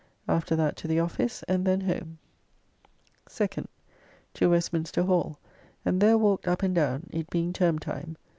After that to the office, and then home. 2nd. To Westminster Hall and there walked up and down, it being Term time.